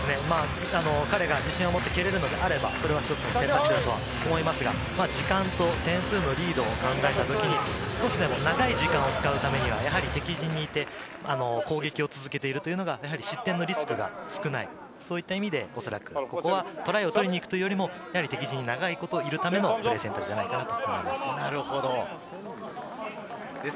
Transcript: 彼が自信を持って蹴れるのであれば、それが一つ選択肢だと思いますが、時間と点数のリードを考えた時に少しでも長い時間を使うためには、敵陣にいて、攻撃を続けているというのが失点のリスクが少ない、そういった意味でおそらく、ここはトライを取りに行くというよりも、敵陣に長いこといるための選択ではないかと思います。